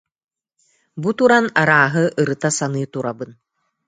Бу туран арааһы ырыта саныы турабын